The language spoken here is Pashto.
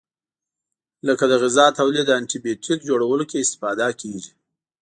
لکه د غذا تولید او انټي بیوټیک جوړولو کې استفاده کیږي.